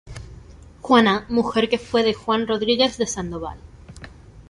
Juana, mujer que fue de Juan Rodríguez de Sandoval.